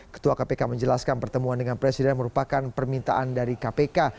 ketua kpk menjelaskan pertemuan dengan presiden merupakan permintaan dari kpk